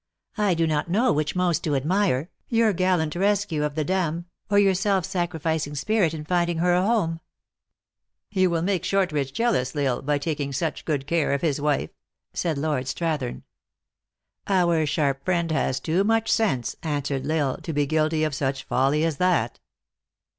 I do not know which most to admire, your gallant rescue of the dame, or your self sacrificing spirit in finding her a home." " You will make Shortridge jealous, L lsle, by tak ing such good care of his wife," said Lord Strathern. 86 THE ACTRESS IN HIGH LIFE. " Our sharp friend has too mucn sense," answered L Isle, " to be guilty of such folly as that."